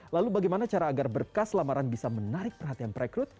lalu bagaimana cara agar berkas lamaran bisa menarik perhatian perekrut